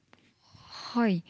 はい。